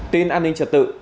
tin an ninh trật tự